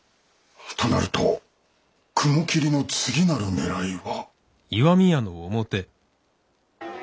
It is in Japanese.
となると雲霧の次なる狙いは。